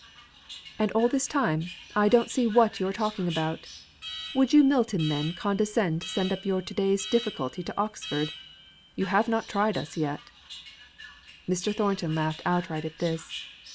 '" "And all this time I don't see what you are talking about. Would you Milton men condescend to send up your to day's difficulty to Oxford? You have not tried us yet." Mr. Thornton laughed outright at this.